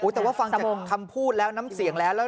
แต่ว่าฟังจากคำพูดแล้วน้ำเสียงแล้ว